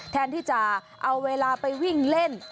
แทนที่จะเอาเวลาไปวิ่งเล่น